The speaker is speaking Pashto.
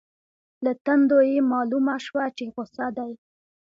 له تندو یې مالومه شوه چې غصه دي.